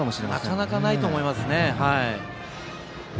なかなかないと思いますね。